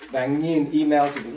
vạn nhiên email